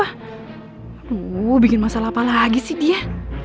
hmm bikin masalah apa lagi sih dia